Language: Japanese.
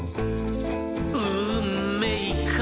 「うんめいかい？」